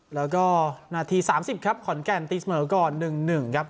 แล้วก็นาทีสามสิบครับขอนแก่นติดเหมือนกันหนึ่งหนึ่งครับ